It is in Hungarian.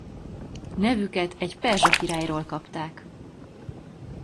Nevüket egy perzsa királyról kapták.